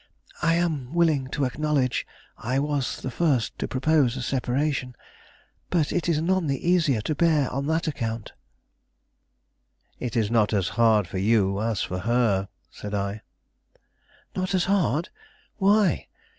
I am willing to acknowledge I was the first to propose a separation. But it is none the easier to bear on that account." "It is not as hard for you as for her," said I. "Not as hard? Why?